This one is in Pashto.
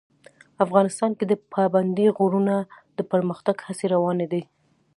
افغانستان کې د پابندی غرونه د پرمختګ هڅې روانې دي.